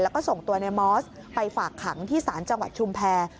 แล้วก็ส่งตัวในมอสไปฝากขังที่ศาลจังหวัดชุมแพร